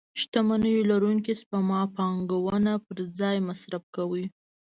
شتمنيو لرونکي سپما پانګونه پر ځای مصرف کوي.